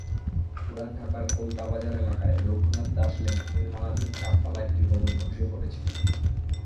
পুরান ঢাকার কলতাবাজার এলাকায় রঘুনাথ দাস লেনে নির্মাণাধীন চারতলা একটি ভবন ধসে পড়েছে।